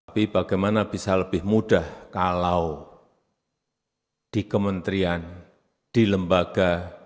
tapi bagaimana bisa lebih mudah kalau di kementerian di lembaga